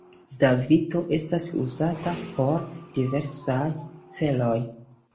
Davito estas uzata por diversaj celoj.